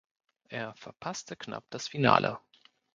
Er verpasste knapp das Finale.